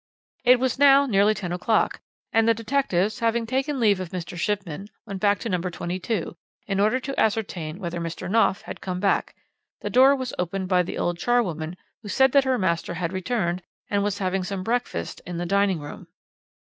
"It was now nearly ten o'clock, and the detectives, having taken leave of Mr. Shipman, went back to No. 22, in order to ascertain whether Mr. Knopf had come back; the door was opened by the old charwoman, who said that her master had returned, and was having some breakfast in the dining room.